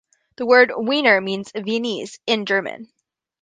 The word "Wiener" means "Viennese" in German.